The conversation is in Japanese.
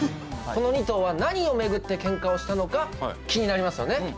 この２頭は何を巡ってケンカをしたのか気になりますよね